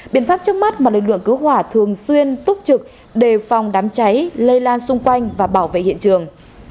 biện pháp trước mắt mà lực lượng cứu hỏa thường xuyên túc trực đề phòng đám cháy lây lan xung quanh và bảo vệ hiện trường